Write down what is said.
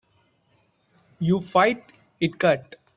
You fight it cut.